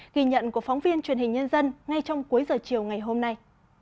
ghi nhận của phóng viên truyền hình nhân dân ngay trong cuối giờ chiều ngày hôm nay